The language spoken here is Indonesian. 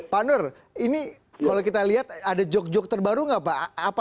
pak nur ini kalau kita lihat ada joke joke terbaru enggak pak apa selepetan selepetan ada